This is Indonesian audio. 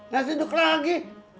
nasi uduk lagi